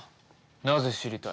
なぜ知りたい？